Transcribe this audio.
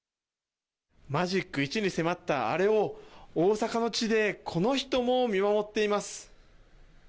マジック１に迫ったアレを、大阪の地でこの人も見守っています。